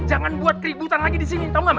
jangan buat keributan lagi disini tau nggak mas